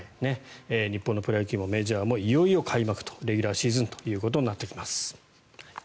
日本のプロ野球もメジャーもいよいよ開幕レギュラーシーズンとなってきます。